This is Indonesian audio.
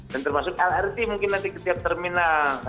dan termasuk lrt mungkin nanti ke tiap terminal